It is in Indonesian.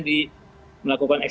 di melakukan agensi